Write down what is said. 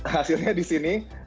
hasilnya di sini